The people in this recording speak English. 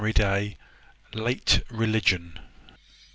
LATE RELIGION.